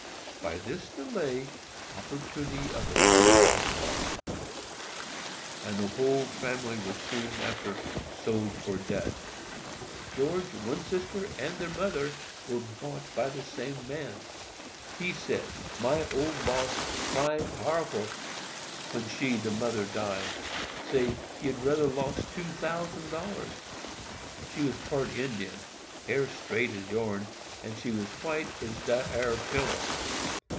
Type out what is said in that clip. By this delay opportunity of escape was lost, and the whole family were soon after sold for debt. George, one sister, and their mother, were bought by the same man. He says, "My old boss cry powerful when she (the mother) die; say he'd rather lost two thousand dollars. She was part Indian—hair straight as yourn—and she was white as dat ar pillow."